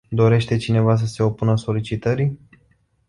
Dorește cineva să se opună solicitării?